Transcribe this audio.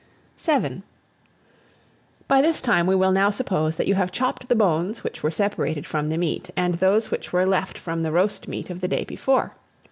VII. BY THIS TIME we will now suppose that you have chopped the bones which were separated from the meat, and those which were left from the roast meat of the day before.